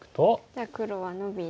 じゃあ黒はノビて。